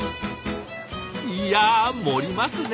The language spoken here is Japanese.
いや盛りますね！